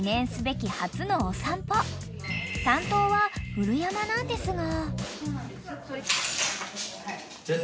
［担当は古山なんですが］